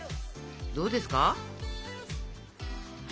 どうですか？